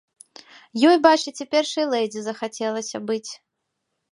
Ёй, бачыце, першай лэдзі захацелася быць!